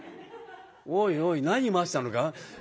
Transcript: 「おいおい何待ってたのか？